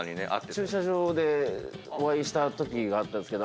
駐車場でお会いしたときがあったんですけど。